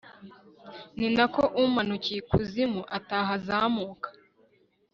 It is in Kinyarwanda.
ni na ko umanukiye ikuzimu atahazamuka